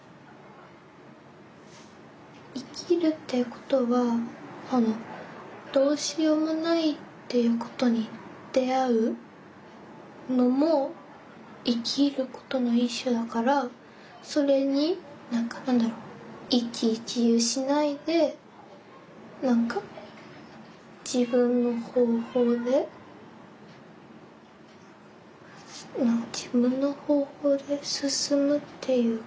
生きるっていうことはどうしようもないっていうことに出会うのも生きることの一種だからそれに何か何だろう一喜一憂しないで何か自分の方法で自分の方法で進むっていうか。